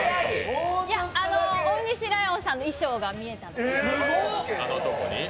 大西ライオンさんの衣装が見えたんです。